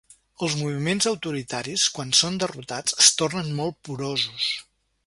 Els moviments autoritaris, quan són derrotats, es tornen molt porosos.